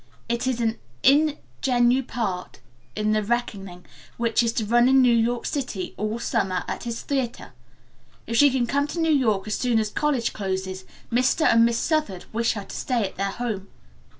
It is an ingenue part in 'The Reckoning,' which is to run in New York City all summer, at his theater. If she can come to New York as soon as college closes Mr. and Miss Southard wish her to stay at their home.